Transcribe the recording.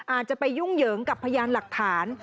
อาจจะไปยุ่งเหยิงกับพยานหลักฐาน